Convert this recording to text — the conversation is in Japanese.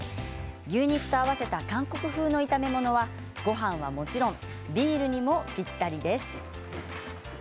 牛肉と合わせた韓国風の炒め物はごはんは、もちろんビールにもぴったりです。